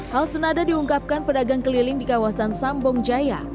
hal senada diungkapkan pedagang keliling di kawasan sambong jaya